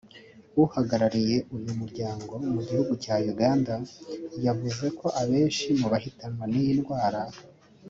uhagarariye uyu muryango mu gihugu cya Uganda yavuze ko abenshi mu bahitanwa n’iyi ndwara